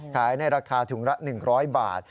ขายในราคาถุงละ๑๐๐บาท